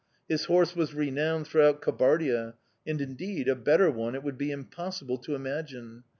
His horse was renowned throughout Kabardia and, indeed, a better one it would be impossible to imagine!